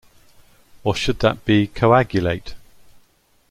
Or should that be coagulate?